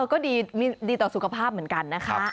ก็ดีต่อสุขภาพเหมือนกันนะคะ